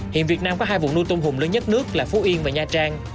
hiện việt nam có hai vùng nuôi tôm hùm lớn nhất nước là phú yên và nha trang